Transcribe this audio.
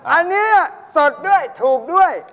อันนี้สดด้วยถูกด้วย